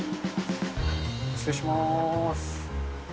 失礼します。